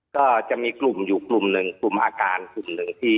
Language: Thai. ก็จะมีกลุ่มอยู่กลุ่มหนึ่งกลุ่มอาการกลุ่มหนึ่งที่